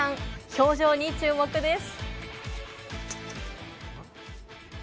表情に注目です。